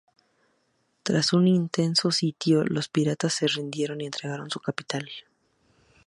Tras un intenso sitio, los piratas se rindieron y entregaron su capital.